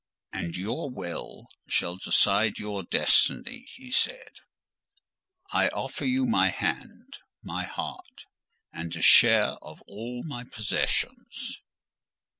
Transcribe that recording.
"And your will shall decide your destiny," he said: "I offer you my hand, my heart, and a share of all my possessions."